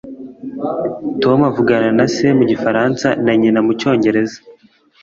tom avugana na se mu gifaransa na nyina mu cyongereza